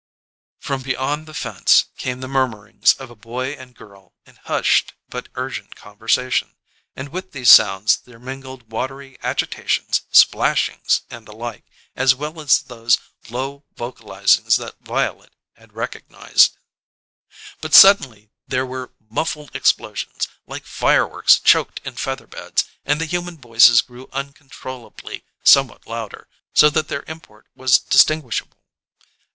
From beyond the fence came the murmurings of a boy and a girl in hushed but urgent conversation; and with these sounds there mingled watery agitations, splashings and the like, as well as those low vocalizings that Violet had recognized; but suddenly there were muffled explosions, like fireworks choked in feather beds; and the human voices grew uncontrollably somewhat louder, so that their import was distinguishable.